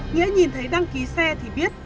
nghĩa nhìn thấy đăng ký xe thì biết